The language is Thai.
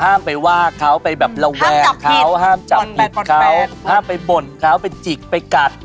ไปว่าเขาไปแบบระแวงเขาห้ามจับผิดเขาห้ามไปบ่นเขาไปจิกไปกัด